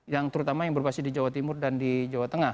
yang terutama yang berbasis di jawa timur dan di jawa tengah